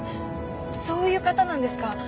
そういう方なんですか？